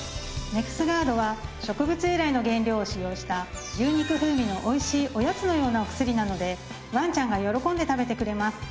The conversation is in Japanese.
ネクスガードは植物由来の原料を使用した牛肉風味のおいしいおやつのようなお薬なのでワンちゃんが喜んで食べてくれます。